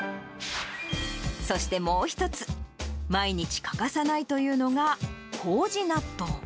そして、もう一つ、毎日欠かさないというのが、こうじ納豆。